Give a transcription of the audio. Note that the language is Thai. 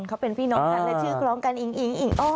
เขาเป็นพี่น้องกันและชื่อคล้องกันอิงอิงอิงอ้อ